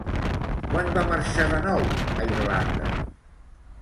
Quan va marxar de nou a Irlanda?